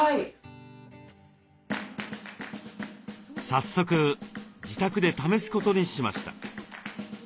早速自宅で試すことにしました。